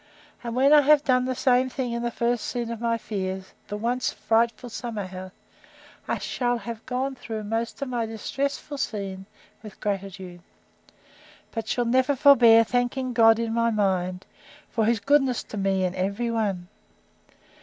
—And when I have done the same in the first scene of my fears, the once frightful summer house, I shall have gone through most of my distressful scenes with gratitude; but shall never forbear thanking God in my mind, for his goodness to me in every one.